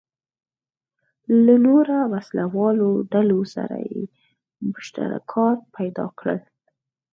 له نورو وسله والو ډلو سره یې مشترکات پیدا کړل.